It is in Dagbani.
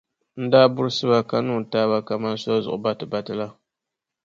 N daa burisi ba ka no n-taai ba kaman soli zuɣu batibati la.